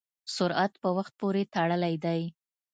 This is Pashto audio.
سرعت په وخت پورې تړلی دی.